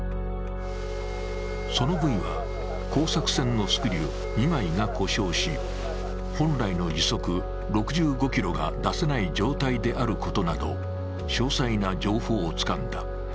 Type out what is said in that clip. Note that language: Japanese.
ソノブイは工作船のスクリュー２枚が故障し、本来の時速６５ｋｍが出せない状態であることなど詳細な情報をつかんだ。